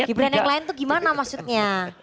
gibran yang lain tuh gimana maksudnya